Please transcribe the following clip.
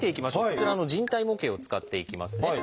こちらの人体模型を使っていきますね。